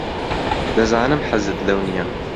دەزانم حەزت لەو نییە.